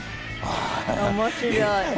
面白い！